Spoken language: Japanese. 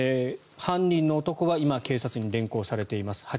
犯人の男は今、警察に連行されています。